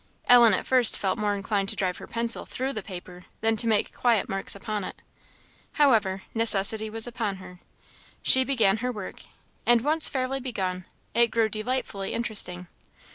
Ellen at first felt more inclined to drive her pencil through the paper than to make quiet marks upon it. However, necessity was upon her. She began her work; and once fairly begun, it grew delightfully interesting.